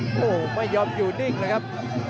โอ้โหไม่ยอมอยู่นิ่งเลยครับ